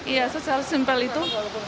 iya secara simpel itu